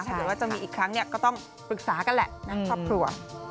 ถ้าเกิดว่าจะมีอีกครั้งเนี่ยก็ต้องปรึกษากันแหละนะครอบครัว